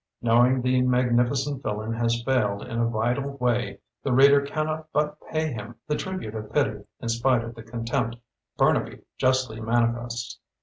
Knowing the magnificent villain has failed in a vital way, the reader cannot but pay him the tribute of pity, in spite of the con tempt Burnaby justly manifests.